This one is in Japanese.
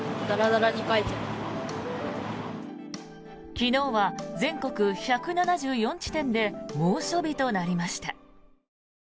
昨日は全国１７４地点で猛暑日となりました。